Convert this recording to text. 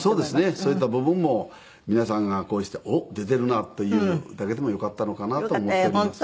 そういった部分も皆さんがこうして「おっ出てるな」というだけでもよかったのかなと思っております。